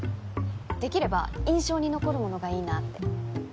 できれば印象に残るものがいいなって。